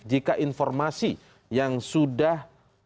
jika informasi yang sudah